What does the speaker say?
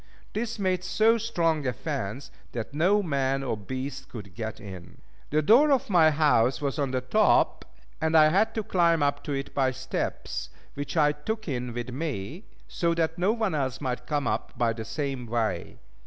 This made so strong a fence that no man or beast could get in. The door of my house was on the top, and I had to climb up to it by steps, which I took in with me, so that no one else might come up by the same way.